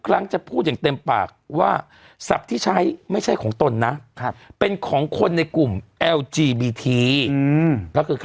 แล้วก็ใบมันจะเสลดเยอะ